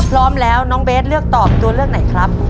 พร้อมแล้วน้องเบสเลือกตอบตัวเลือกไหนครับ